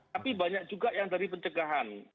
tapi banyak juga yang dari pencegahan